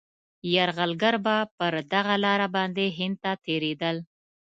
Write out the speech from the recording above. یرغلګر به پر دغه لاره باندي هند ته تېرېدل.